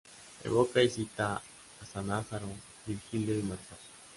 Evoca y cita a Sannazaro, Virgilio y Marcial.